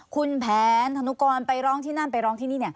คุณแผนธนุกรไปร้องที่นั่นไปร้องที่นี่